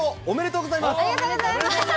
ありがとうございます。